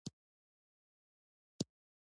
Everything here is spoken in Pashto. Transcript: افغانستان د واوره له پلوه متنوع دی.